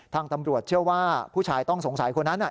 ทางตำรวจเชื่อว่าผู้ชายต้องสงสัยคนนั้น